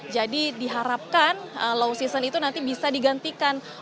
jadi diharapkan low season itu nanti bisa digantikan